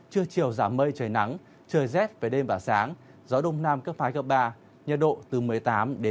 chưa chiều giảm mây trời nắng trời rét về đêm và sáng gió đông nam cấp hai ba nhiệt độ từ một mươi tám hai mươi sáu độ